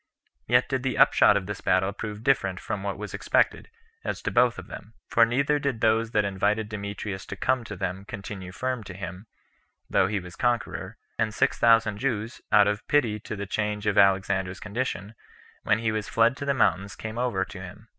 Yet did the upshot of this battle prove different from what was expected, as to both of them; for neither did those that invited Demetrius to come to them continue firm to him, though he was conqueror; and six thousand Jews, out of pity to the change of Alexander's condition, when he was fled to the mountains, came over to him.